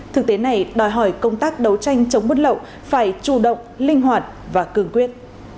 thực tế này đòi hỏi công tác đấu tranh chống bút lậu phải chủ động linh hoạt và cường quyết